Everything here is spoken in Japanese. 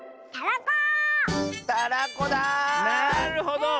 なるほど。